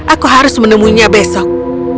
aku harus menemunya besok